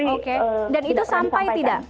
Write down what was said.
oke dan itu sampai tidak